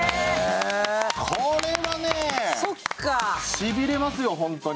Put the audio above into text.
これがね、しびれますよ、ホントに。